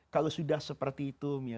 kalau sudah seperti itu